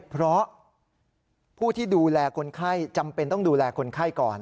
เพราะผู้ที่ดูแลคนไข้จำเป็นต้องดูแลคนไข้ก่อน